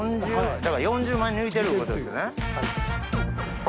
４０！だから４０枚抜いてるいうことですよね。